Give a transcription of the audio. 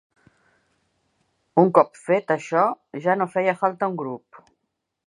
Un cop fet això, ja no feia falta un grup.